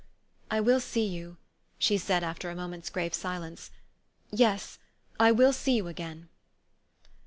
" I will see you," she said after a moment's grave silence " yes, I will see you again."